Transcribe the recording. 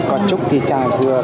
còn chút thì chẳng vừa